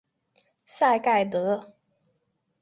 赛盖德。